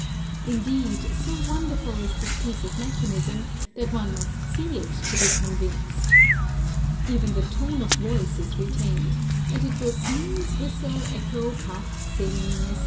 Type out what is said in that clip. Indeed, so wonderful is this piece of mechanism, that one must see it to be convinced. Even the tone of voice is retained; and it will sneeze, whistle, echo, cough, sing, etc.